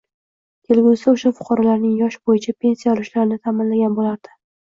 «kelgusida o‘sha fuqarolarning yosh bo‘yicha pensiya olishlarini ta’minlagan bo‘lardi…»